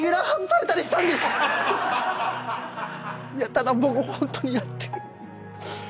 ただ僕ホントにやってない。